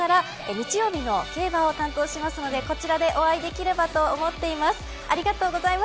それから日曜日の競馬を担当しますのでこちらでお会いできればと思います。